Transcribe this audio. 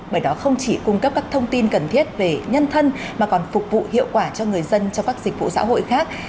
bởi đó không chỉ cung cấp các thông tin cần thiết về nhân thân mà còn phục vụ hiệu quả cho người dân trong các dịch vụ xã hội khác